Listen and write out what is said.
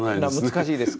難しいですか？